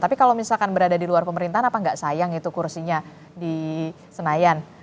tapi kalau misalkan berada di luar pemerintahan apa nggak sayang itu kursinya di senayan